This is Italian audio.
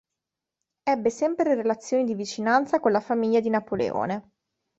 Ebbe sempre relazioni di vicinanza con la famiglia di Napoleone.